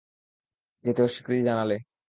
যেতে অস্বীকৃতি জানালে।